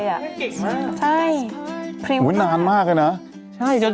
เขาเล่นเก่งมากไปสปาร์ตพริมประวัติศาสตร์โอ๊ยนานมากเลยนะ